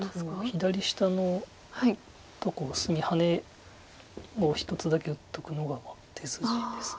左下のとこ隅ハネを１つだけ打っとくのが手筋です。